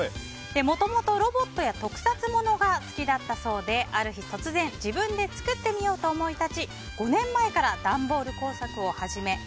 もともとロボットや特撮ものが好きだったそうである日、突然自分で作ってみようと思い立ち５年前から段ボール工作を始め